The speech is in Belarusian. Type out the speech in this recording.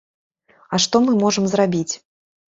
А што мы можам зрабіць?